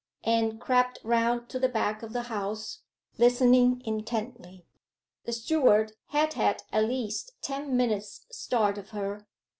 Anne crept round to the back of the house, listening intently. The steward had had at least ten minutes' start of her.